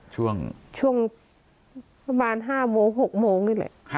ช่วงประมาณ๕๖โมงเงินเลย